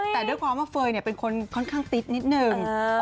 แต่ด้วยความว่าเฟย์เป็นคนค่อนข้างติ๊ดนิดนึง